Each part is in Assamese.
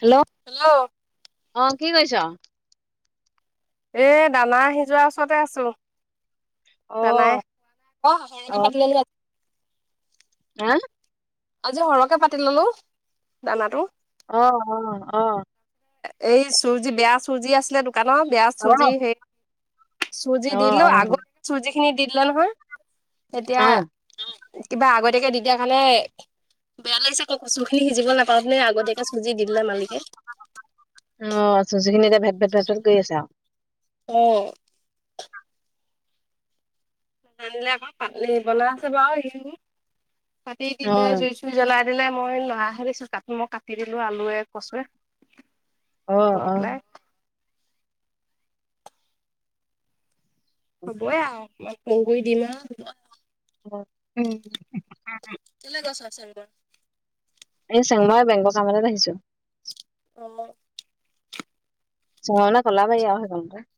হেল্ল' হেল্ল' অ, কি কৰিছ? এ দানা সিজোৱাৰ ওচৰতে আছো, অ দানাই অ [unintelligible] হা আজি সৰহকে পাতি ললো দানাটো। অ, অ, অ। এই চুজি, বেয়া চুজি আছিলে দোকানত। বেয়া চুজি সেই চুজি অ অ দিলো অ আগতে চুজি খিনি দি দিলে নহয় এতিয়া কিবা আগতীয়াকে দি দিয়া কাৰণে বেয়া লাগিছে আকৌ কচু খিনি সিজিব নাপাওতে আগতীয়কে চুজি দি দিলে মালিকে অ চুজি খিনি এতিয়া ভেদ ভেদ ভেদ কৰি আছে আও অ জানিলে আকৌ পালিবলৈ আছে বাৰু সি পাতি অ দিলে জুই [unintelligible] জুই জ্বলাই দিলে মই লৰা হেৰি চো তাত মই কাটি দিলো আলুৱে কচুৱে অ বহি অ পেলাই হবই আও ফোন কৰি দিম আও হৈ যায় [unintelligible] কেলে গৈছ আছে ৰুমৰ [unintelligible] এই চেংবাৰ বেংকৰ কাম এটাত আহিছোঁ অ চহঙা কলাবাৰী আও সেই খনতে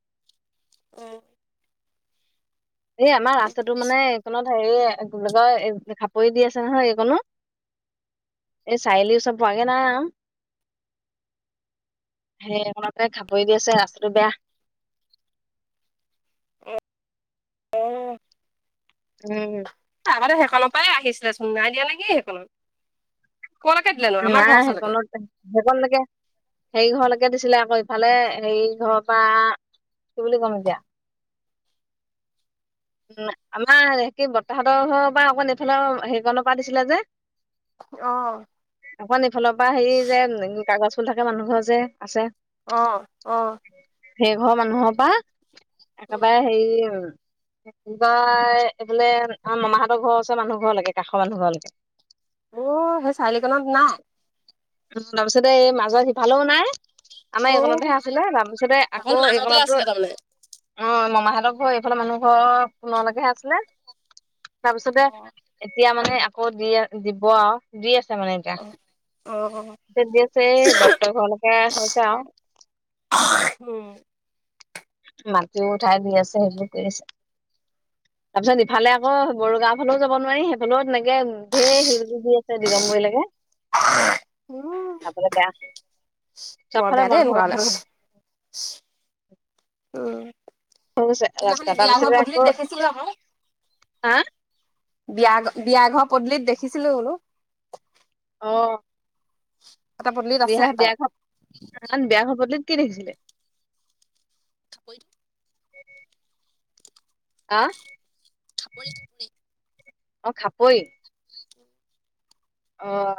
এ এই আমাৰ ৰাস্তাটো মানে এইকণত হেৰিয়ে কি বুলি কয় খাপৰি দি আছে নহয় এইকনো এই চাৰিআলি ওপৰত পোৱাগে নাই আও সেই এইকনতে খাপৰি দি আছে ৰাস্তাটো বেয়া অ অ উম আগতে সেইখনৰ পৰাই আহিছিলে চোন নাই দিয়া নেকি সেইখনত ক লেকে দিলে নো আমাৰ ঘৰ ওচ লৈকে সেইকন লেকে সেই ঘৰলৈকে দিছিলে আকৌ ইফালে সেই ঘৰৰ পৰা কি বুলি ক'ম এতিয়া উ আমাৰ সে কি বৰতাহতৰ পৰা অকণ এইফালে হেৰিকনৰ পৰা দিছিলে যে অ অকণমান ইফালৰ পৰা হেৰি যে কাগজ ফুল থাকে মানুহ ঘৰ যে আছে অ অ সেই ঘৰৰ মানুহৰ পৰা একেবাৰে হেৰি কোনোবা এইবোলে আমাৰ মামাহতৰ ঘৰ ওচৰৰ মানুহ ঘৰলৈকে কাষৰ মানুহ ঘৰলৈকে অ সেই চাৰি আলিকনত নাই উম তাৰপিছতে এই এই মাজত সিফালেও নাই আমাৰ অ', এইকনতহে আছিলে তাৰপিছতে অকল আকৌ মাজতে এইকতো আছিলে তাৰমানে। অ মামাহঁতৰ ঘৰ এইফালে মানুহ ঘৰ পুনলৈকেহে আছিলে তাৰপাছতে অ', এতিয়া মানে আকৌ দি দিব আও দি আছে মানে এতিয়া অ দি আছে দত্তৰ ঘৰলৈকে হৈছে আৰু অ মাটিও উঠাই দি আছে সেইবোৰ কৰি আছে তাৰপিছত ইফালে আকৌ বৰুগাও ফালেও যাব নোৱাৰি সেইফালেও তেনেকে ঢেৰ শিলগুটি দি আছে দিগম্বৰিলৈকে উম, যাবলে বেয়া বৰ চবফালে বেয়া দেই বন্ধ এনেকুৱা হ'লে বন্ধ হৈ উম গৈছে ৰাস্তা সেইদিনাখনি বিয়া ঘৰৰ তাৰপিছতে আকৌ পদূলিত দেখিছিলো আকৌ হা বিয়া বিয়াঘৰ পদূলিত দেখিছিলোঁ বোলো অ এটা পদূলিত আছে বিয়া হপায়। বিয়া খ অ বিয়া খবৰটোত কি দেখিছিলে [unintelligible] কাপ [inaudible] আহ। খাবৰে খাবলৈ [inaudible] অ' খাবই। অঁ।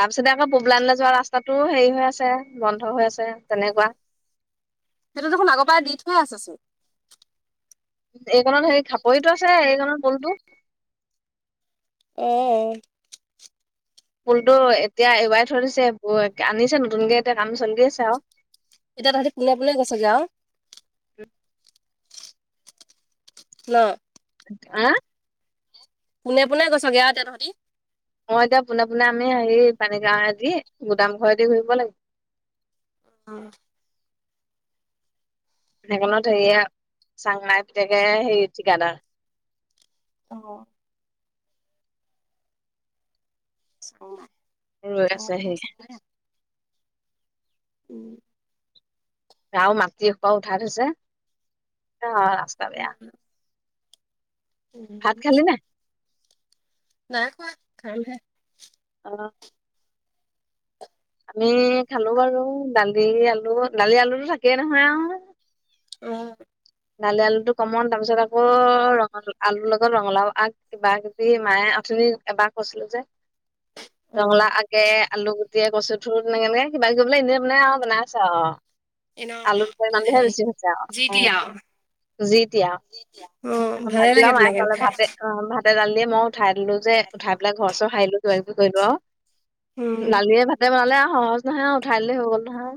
তাৰপিছতে আকৌ পুবলাইনলৈ যোৱা ৰাস্তাটো হেৰি হৈ আছে বন্ধ হৈ আছে তেনেকুৱা। সেইটো দেখোন আগৰ পৰাই দি থুৱাই আছে চোন। এইকণত হেৰি খাপৰিতো আছে এইকণত পলটো। অঁ অঁ। ফুলতো এতিয়া এবাৰে থৈ দিছে, আনিছে নতুনকে এতিয়া কাম চলি আছে আৰু। এতি তাঁতিোনে বোলে আছ চাগে আৰু [inaudible] [unintelligible] হা? পোনে পোনে গৈছগে আৰু তহঁতি। অ' এতিয়া পোনে পোনে আমি হেৰি পানীগাঁৱ আদিি গুদাম ঘৰেদি ঘূৰিব লাগিব। অঁ। সেইখনত হেৰিয়া চাংলাই পিতোকে হেৰি ঠিকাদাৰ। অঁ। চাম ৰৈ চ আছে মাদে সেই চ [inaudible] গও মাটিসকও উঠাই থৈছে ৰাস্ত [inaudible] উম। ভাত খালি নাই? নাই খোৱা, খাম হে। অঁ। আমি খালো বাৰু দালি আলু দালি আলু থাকেই নহয় আৰু। উম। দালি আলু টো কমন, তাৰপিছত আকৌ ৰঙ আলু লগা। ৰঙলাও আগ কিবা কিবি মায়ে উঠনি এবাৰ কৈছিলো যে। অ', ৰঙালাও আকে। আলু গুটেই কচু থুৰী তেনেক কিবা কিবি বোলে এনে বনাই আৰু বনাইছে আৰু। এনে আলক মানুহহে হেৰি বেছি হৈছে আৰু যি তি আৰু উ যি দয়া [unintelligible] অ', এখন ভালে ভাজি লা লাগে তেনেকে মায়েফালে খাই ভাবে [unintelligible] অ' ভাতেডাল দিয়ে মই উঠাই দিলো যে, উঠাই পেলাই ঘৰ চৰ হাৰিলো কিবা কিবি কৰিলো আৰু। উম, দালিয়ে ভাতে বনালে আৰু সহজ নহয় আৰু উঠাই দিলে হৈ গ'ল নহয়।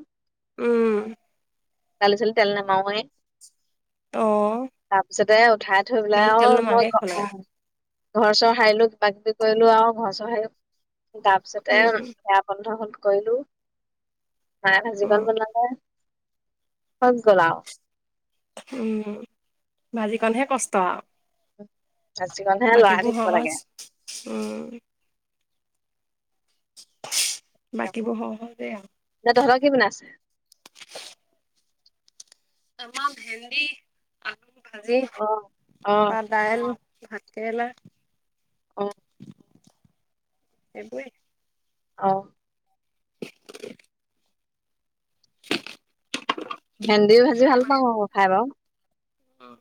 উম। আালি চালি তেল নমাওৱে অ', তাৰপিছতে উঠাই। থৈবেলাই দালিত অ তেল মই নমাৰাকে অ খাব লাগে [unintelligible] ঘৰ চৰ সাৰিলো কিবা কিবি কৰিলো আৰু ঘৰ চৰ সাৰি তাৰপিছতে। উম, বন্ধ হল কৰিলো, মায়ে উম, ভাজিখন বনালে। স গলা [inaudible] উম, ভাজিকণহে কষ্ট আৰু। আজিকালি। বাকীবোৰ সহজ, উম। বাকীবোৰ সহজে আৰু। তহঁতৰ কি বনাইছে? আমাৰ ভেন্দি আলু ভাজি অ অ দাইল, ভাতকেৰেলা অ। সেইবোৰে। অ। [unintelligible] ভেন্দি ভাজি ভাল পাওঁ মই খাই বাও। অহ।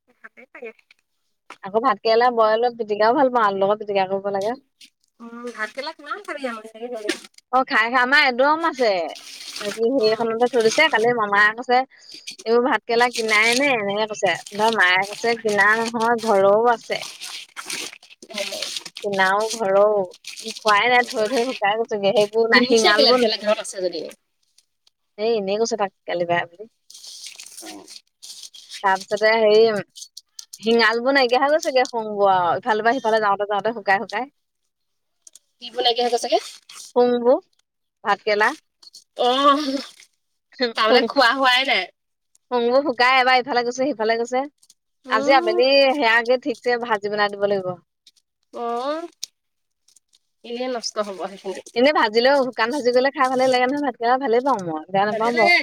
[unintelligible] আকৌ ভাতকেৰেলা বইল পিটিকাও ভাল পাওঁ আলু লগত পিটিকা কৰিব লাগে উম ভাত কেৰেলা কিমান খাবি আও অ খাই খাই আমাৰ একদম আছে বাকী সেইখনতে থৈ দিছে কালি মামাই কৈছে এইবোৰ ভাত কেৰেেলা কিনাই নে এনেকে কৈছে মায়ে কৈছে কিনা নহয় ঘৰৰও আছে। [unintelligible] কিনাও ঘৰৰও। খোৱাই নাই থৈ থৈ শুকাই গৈছগে সেইবোৰ নাই কিনিছে কেলে শিঙালবোৰ তেতিয়াহ'লে ঘৰত আছে যদি এ এনেই কৈছে তাক কালি বেয়া বুলি। অ। তাৰ পিছতে হেৰি শিঙালবোৰ নাইকিয়া হৈ গৈ চাগে খং বু আৰু ইফালে বা সিফালে যাওঁতে- যাওঁতে শুকাই শুকাই। কি নাইকিয়া হৈ গৈছে গে? শুংবোৰ ভাতকেলা। এহ শুং তাৰমানে খোৱা হোৱাই নাই। শুংবোৰ শুকাই এবাৰ ইফালে গৈছে সিফালে গৈছে আজি উম আবেলি সেয়াগে ঠিক ভাজি বনাই দিব লাগিব। অ এনেই নষ্ট হব সেইখিনি। এনে ভাজিলেও শুকান ভাজি কৰিলে খাই ভালেই লাগে নহয় ভাত কেৰেলা ভালেই পাওঁ মই। বেয়া ভালে নাপাওঁ বাৰু। লাগে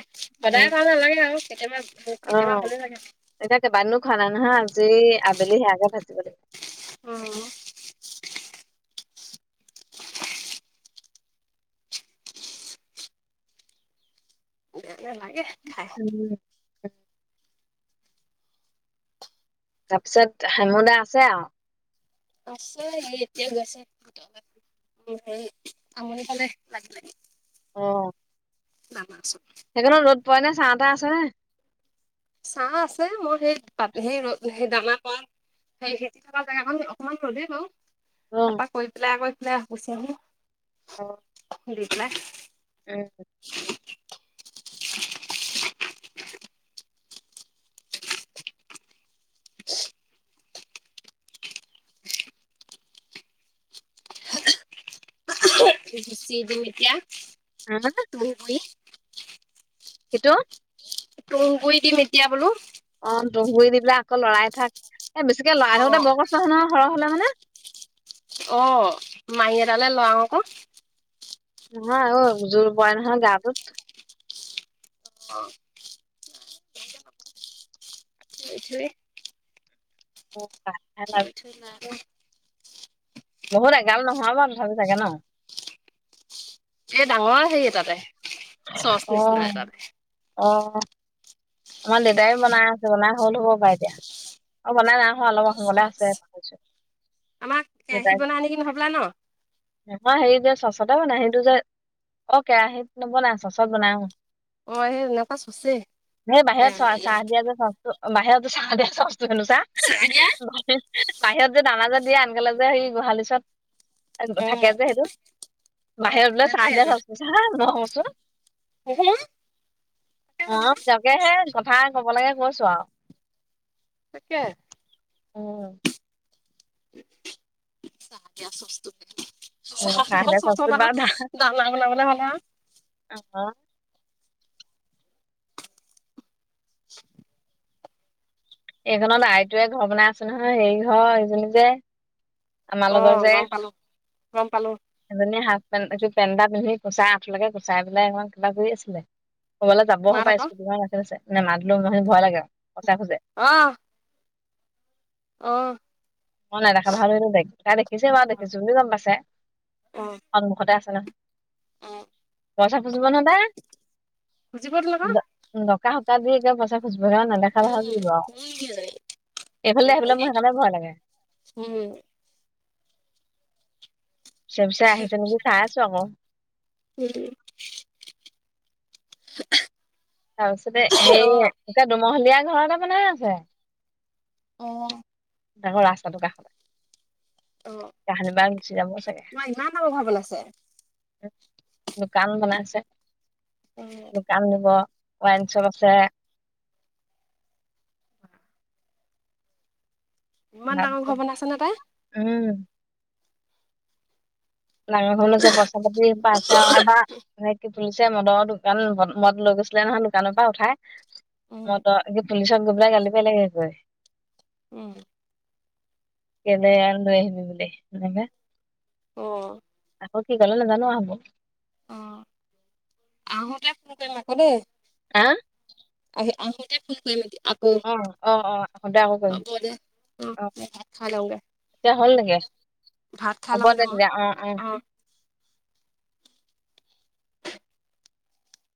সদায় ভাল নালাগে আৰু কেতিয়াবা কেতিয়াবা অ', ভালে লাগে। এতিয়া কেইবাদিনো খোৱা নাই নহয় আজি আবেলি সেয়াকে ভাজিব লাগিব। অ। বেয়া নেলাগে। [unintelligible] তাৰপিছত হেমু দা আছে আৰু। আছে এই এতিয়া গৈছে। সেই আমনি পালে লাগি লাগি। অ। [unintelligible] সেইখনত ৰ'দ পাৰেনে চাহ তাহ আছে নাই? চাহ আছে মই সেই সেই সেই দানা পা। সেই খেতি থকা জেগাখন অকমান ৰ'দে বাৰু তাৰ অ', পৰা কয় পেলাই আকৌ পেলাই গুচি আহো। [inaudible] [unintelligible] উম। চিদো এতিয়া [unintelligible] তুই বুই সি-ট তুগুৰি দিম এতিয়া বোলো অ তুহ গুৰি দি পেলাই আকৌ লৰাই থাক এ বেছিকে লৰাই অ থাকোতে বৰ কষ্ট নহয় সৰহ হ'লে মানে অ মাৰি এডালে লৰাওঁ ক নোহা ঐ জোৰ পৰে নহয় গাটোত অ সেইথোৱে অ কোৱা তিয়াই থৈ পাগৈ বহুত এগাল নহয় বাও তথাপিও চাগে ন এ ডাঙৰ হেৰি এটাতে চচ অ নিচিনা এটাতে অ আমাৰ দেউতাই বনাই আছে বনাই হ'ল হব পাই এতিয়া আৰু বনাই নাই হোৱা অলপ হবলে আছে কৈছে আমাক কেৰাহিত বনাই নেকি হবলা ন মই হেৰি যে চচতে বনাই সেইটো যে অ কেৰাহিত নবনাই চচত বনাই উম অঁ সেই বোলপা চোছে সেই বাহিৰত চ চাহ দিয়া যে চচটো বাহিৰত যে চাহ দিয়া চচটো হেনো চা চাহ দিয়া বাহিৰত যে দানা যে দিয়ে আনকালে যে সেই গোহালি ওচত অ থাকে যে অ সেইটো বাহিৰত সেই বোলে চাহ তেনেকুৱাই দিয়া চচটো চা মই কৈছো [unintelligible] অ আমাৰ তাকেহে কথা কব লাগে কৈছো আৰু তাকে উম চাহ দিয়া চচটো চাহ উম বনোৱা দিয়া চচট আও চচটোত বাৰু দানা বনাবলে হয়নে আও অ [unintelligible] এইকণত আইটোৱে ঘৰ বনাই আছে নহয় হেৰি ঘৰ ইজনী যে আমাৰ অ গম পালো গম পালো এজনীয়ে হাফ পেন কি পেন এটা পিন্ধি কুচাই আঠলৈকে কুচাই পেলাই অকণমান কিবা কৰি আছিলে ক'বালে যাব' মাত হপায় আকৌ স্কুটিখন ৰাখি থৈছে নে মাক [unintelligible] ভয় লাগে পইছা খোজে অ অঁহ মই নেদেখা ভাও জুৰিলো তাইক তাই দেখিছে বাও দেখিছো বুলি গম পাইছে অ সন্মুখতে আছে নহয় অ পইছা খুজিব নহয় তাই বুজি পোৱাতো আকৌ দ তাই সপ্তাহত পইছা মই আও নেদেখা ভাও জুৰিলো আও এইফালে কেনেকুৱা আহিবলে মানে মোৰ সেইকাৰণে ভয় লাগে উম চেগ চাই আহিছে নেকি চাই আছো আক উম তাৰপিছতে হে অ এয়া দুমহলীয়া ঘৰ এটা বনাই আছে। অ [unintelligible] অ কাহানি বা গুচি যামোৰ চাগে তোমাৰ ইমান ডাঙৰ ঘৰ বনাইছে দোকান বনাইছে অ কাম দিব ৱাইন চপ আছে ইমান ডাঙৰ তাৰপিছত ঘৰ বনাই আছে নে তাই উম ডাঙৰখন আছে পইচা পাতি আছে আৰু এবাৰ খুলিছে মদৰ দোকান মদ লৈ গৈছিলে নহয় দোকানৰ পৰা উঠাই উম মদৰ পুলিচত গৈ পেলাই গালি পেলাই উম [unintelligible] অ আক কি কল নোজানো আহব অ আহোঁতে ফোন কৰিম আকৌ দেই হা আহ আ মইতে ফোন কৰিমে অ অ অ সদায় আকৌ কৰিম [unintelligible] এয়া হ'ল নেকি হ'ব লওঁগে দে মই তেতিয়া উ উম অ